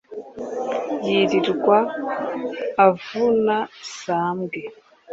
yilirwa avuna sambwe